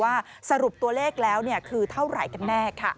สรุปตัวเลขแล้วคือเท่าไหร่กันแน่ค่ะ